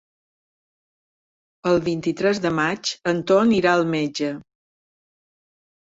El vint-i-tres de maig en Ton irà al metge.